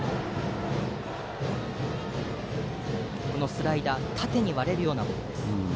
スライダーは縦に割れるようなボールです。